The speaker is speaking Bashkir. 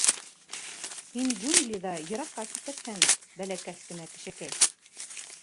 — Һин джунглиҙа йыраҡҡа китерһең, бәләкәс генә кешекәй.